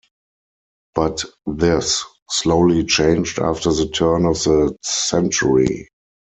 But this slowly changed after the turn of the century.